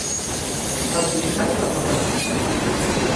El comissari la fa passar.